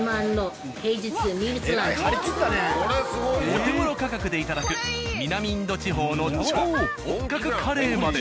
お手ごろ価格でいただく南インド地方の超本格カレーまで。